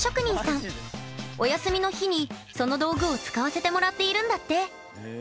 お休みの日にその道具を使わせてもらっているんだって！